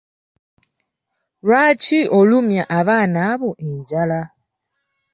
Lwaki olumya abaana abo enjala?